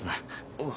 おう。